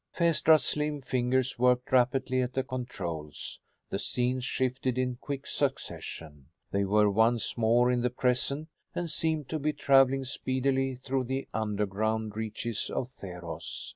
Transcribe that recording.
Phaestra's slim fingers worked rapidly at the controls. The scenes shifted in quick succession. They were once more in the present, and seemed to be traveling speedily through the underground reaches of Theros.